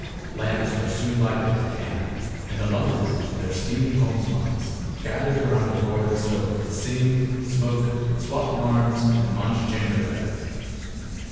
Lamps were soon lighted in camp, and the lumbermen, in their steaming homespuns, gathered about the roaring stove to sing, smoke, swap yarns and munch gingerbread.